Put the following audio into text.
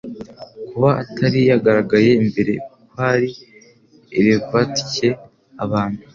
Kuba atari yagaragaye mbere kwari levatcye abantu